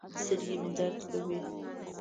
سترګې مې درد کوي